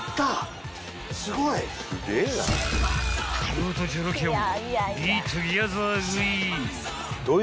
［ブートジョロキアを］